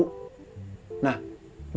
sedangkan lo tau